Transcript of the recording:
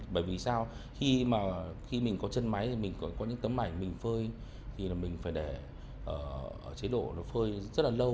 bởi vì sao khi mà khi mình có chân máy thì mình có những tấm ảnh mình phơi thì mình phải để chế độ nó phơi rất là lâu